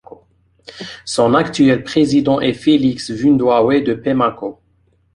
Son actuel président est Félix Vundwawe Te Pemako.